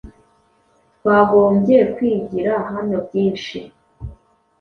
twagombye kwigira hano byinshi